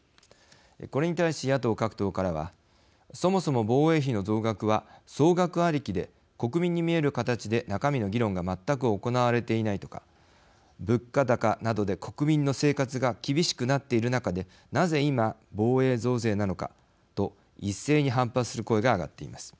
これに対し、野党各党からはそもそも防衛費の増額は総額ありきで国民に見える形で中身の議論が全く行われていないとか物価高などで国民の生活が厳しくなっている中でなぜ今、防衛増税なのかと一斉に反発する声が上がっています。